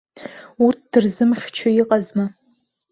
Урҭ дырзымыхьчо иҟазма.